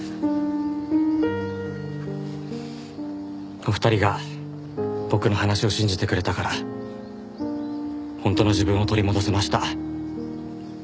お二人が僕の話を信じてくれたから本当の自分を取り戻せました。